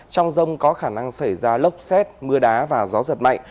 trong rông có khả năng xảy ra lốc xét mưa đá và gió giật mạnh